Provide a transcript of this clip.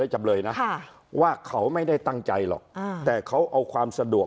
จำเลยนะว่าเขาไม่ได้ตั้งใจหรอกแต่เขาเอาความสะดวก